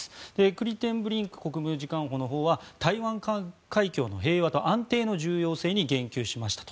クリテンブリンク国務次官補のほうは台湾海峡の平和と安定の重要性に言及しましたと。